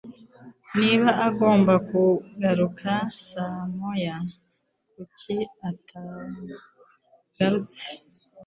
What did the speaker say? Niba agomba kugaruka saa moya, kuki atagarutse?